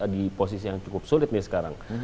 di posisi yang cukup sulit nih sekarang